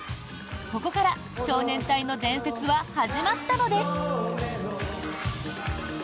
ここから、少年隊の伝説は始まったのです。